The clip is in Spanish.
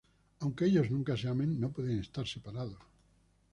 Aunque ellos nunca se amen, no pueden estar separados.